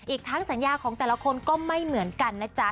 อีกทั้งสัญญาของแต่ละคนก็ไม่เหมือนกันนะจ๊ะ